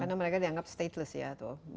karena mereka dianggap stateless ya